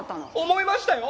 思いましたよ！